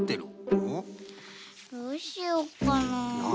どうしよっかな。